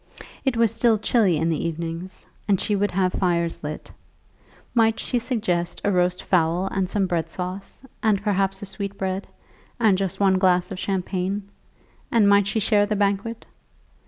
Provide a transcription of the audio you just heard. It was still chilly in the evenings, and she would have fires lit. Might she suggest a roast fowl and some bread sauce, and perhaps a sweetbread, and just one glass of champagne? And might she share the banquet?